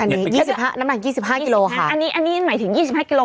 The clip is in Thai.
อันนี้ยี่สิบห้าน้ำหนักยี่สิบห้ากิโลค่ะอันนี้อันนี้หมายถึงยี่สิบห้ากิโล